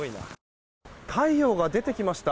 太陽が出てきました。